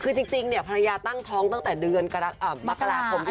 คือจริงเนี่ยภรรยาตั้งท้องตั้งแต่เดือนมกราคม